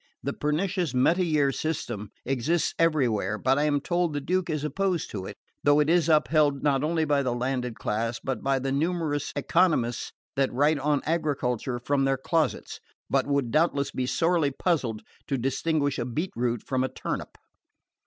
The pernicious metayer system exists everywhere, but I am told the Duke is opposed to it, though it is upheld not only by the landed class, but by the numerous economists that write on agriculture from their closets, but would doubtless be sorely puzzled to distinguish a beet root from a turnip.